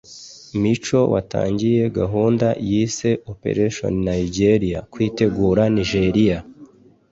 Micho watangiye gahunda yise ‘Operation Nigeria’ (kwitegura Nigeria)